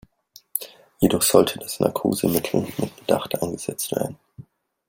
Jedoch sollte das Narkosemittel mit Bedacht eingesetzt werden.